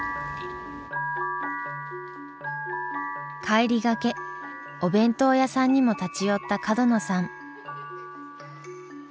帰りがけお弁当屋さんにも立ち寄った角野さん。